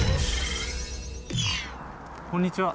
こんにちは。